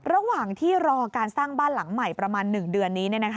ระหว่างที่รอการสร้างบ้านหลังใหม่ประมาณ๑เดือนนี้